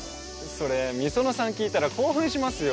それ美園さん聞いたら興奮しますよ。